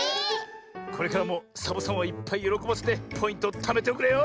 これからもサボさんをいっぱいよろこばせてポイントをためておくれよ。